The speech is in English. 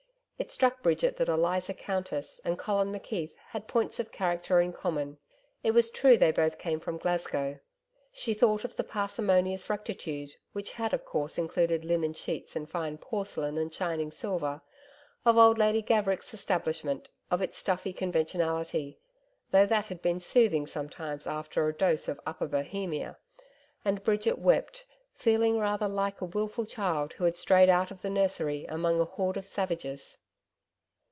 It struck Bridget that Eliza Countess and Colin McKeith had points of character in common it was true they both came from Glasgow. She thought of the parsimonious rectitude which had of course included linen sheets and fine porcelain and shining silver of old Lady Gaverick's establishment, of its stuffy conventionality though that had been soothing sometimes after a dose of Upper Bohemia; and Bridget wept, feeling rather like a wilful child who had strayed out of the nursery among a horde of savages.